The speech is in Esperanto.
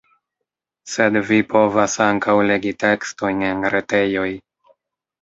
Sed vi povas ankaŭ legi tekstojn en retejoj.